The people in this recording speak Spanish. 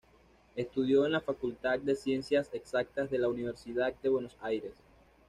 Estudió en la Facultad de Ciencias Exactas de la Universidad de Buenos Aires.